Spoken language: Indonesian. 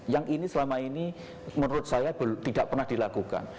yang ini selama ini menurut saya tidak pernah dilakukan